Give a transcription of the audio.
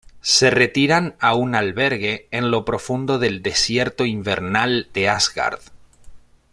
Se retiran a un albergue en lo profundo del desierto invernal de Asgard.